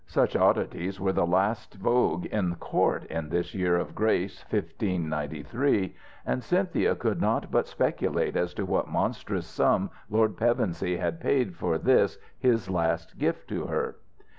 Such oddities were the last vogue at court in this year of grace 1593: and Cynthia could not but speculate as to what monstrous sum Lord Pevensey had paid for this his last gift to her.